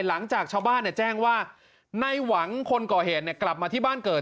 หลังจากชาวบ้านแจ้งว่าในหวังคนก่อเหตุกลับมาที่บ้านเกิด